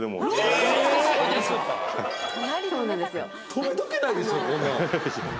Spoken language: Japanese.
とめとけないですよこんなん。